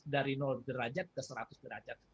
dari derajat ke seratus derajat